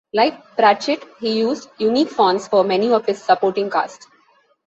Like Pratchett, he used unique fonts for many of his supporting cast.